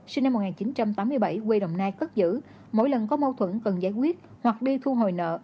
sinh năm một nghìn chín trăm tám mươi bảy quê đồng nai cất giữ mỗi lần có mâu thuẫn cần giải quyết hoặc đi thu hồi nợ